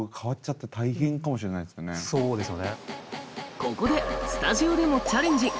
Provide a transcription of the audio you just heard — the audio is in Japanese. ここでスタジオでもチャレンジ！